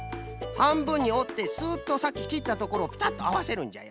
はんぶんにおってスッとさっききったところをピタッとあわせるんじゃよ。